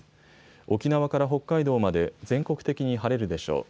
沖縄から北海道まで全国的に晴れるでしょう。